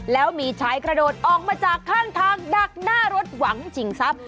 แล้วมีชายกระโดดออกมาจากข้างทางดักหน้ารถหวังชิงทรัพย